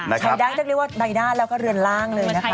ถ้าสอดเนี่ยจะาคืเรียกว่าในด้านแล้วก็เรือนล่างเลยนะครับ